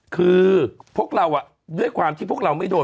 คือพวกเราด้วยความที่พวกเราไม่โดน